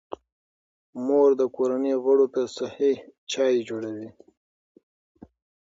مور د کورنۍ غړو ته صحي چای جوړوي.